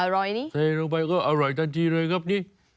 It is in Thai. อร่อยนี่เสร็จลงไปก็อร่อยทันทีเลยครับนี่อ๋อ